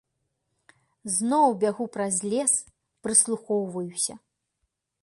Зноў бягу праз лес, прыслухоўваюся.